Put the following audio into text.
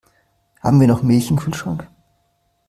Haben wir noch Milch im Kühlschrank?